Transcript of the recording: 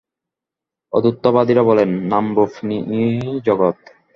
অদ্বৈতবাদীরা বলেন, নামরূপ নিয়েই জগৎ।